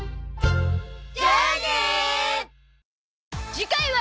次回は